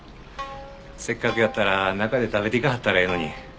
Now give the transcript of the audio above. せっかくやったら中で食べていかはったらええのに。